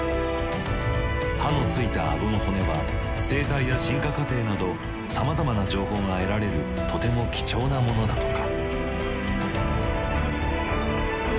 歯のついた顎の骨は生態や進化過程などさまざまな情報が得られるとても貴重なものだとか。